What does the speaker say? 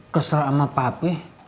kesel sama papi